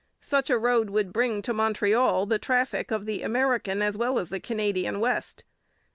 Such a road would bring to Montreal the traffic of the American as well as the Canadian West.